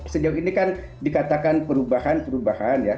sejauh ini kan dikatakan perubahan perubahan ya